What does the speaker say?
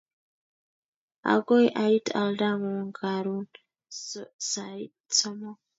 Agoi ait oldang'ung' karun sait somok